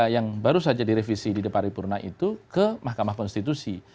yang baru saja direvisi di depan paripurna itu ke mahkamah konstitusi